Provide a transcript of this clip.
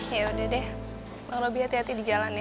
ya udah deh lebih hati hati di jalan ya